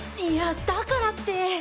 いやだからって。